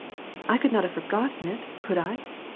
" I could not have forgotten it, could I